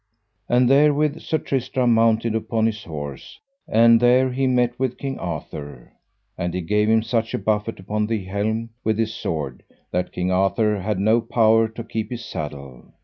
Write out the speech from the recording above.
And therewith Sir Tristram mounted upon his horse, and there he met with King Arthur, and he gave him such a buffet upon the helm with his sword that King Arthur had no power to keep his saddle.